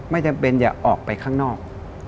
ไม่จำเป็นอย่าออกไปข้างนอก